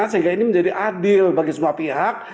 sehingga ini menjadi adil bagi semua pihak